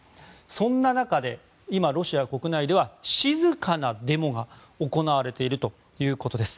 そんな中で、今ロシア国内では静かなデモが行われているということです。